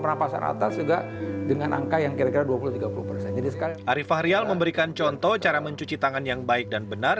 arifah rial memberikan contoh cara mencuci tangan yang baik dan benar